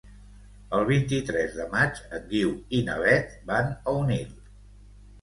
El vint-i-tres de maig en Guiu i na Beth van a Onil.